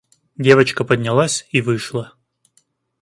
Девочка поднялась и вышла.